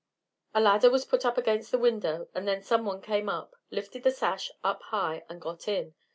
A ladder was put up against the window, and then someone came up, lifted the sash up high and got in.